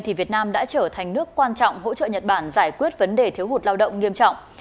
thì việt nam đã trở thành nước quan trọng hỗ trợ nhật bản giải quyết vấn đề thiếu hụt lao động nghiêm trọng